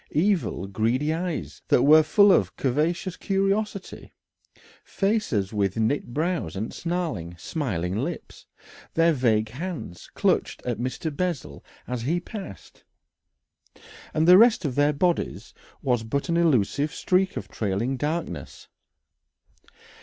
Evil, greedy eyes that were full of a covetous curiosity, faces with knit brows and snarling, smiling lips; their vague hands clutched at Mr. Bessel as he passed, and the rest of their bodies was but an elusive streak of trailing darkness.